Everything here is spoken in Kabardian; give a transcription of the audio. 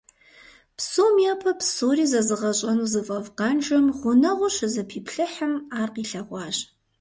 Псом япэ псори зэзыгъэщӀэну зыфӀэфӀ Къанжэм гъунэгъуу щызэпиплъыхьым, ар къилъэгъуащ.